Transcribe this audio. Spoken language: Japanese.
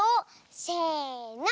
せの！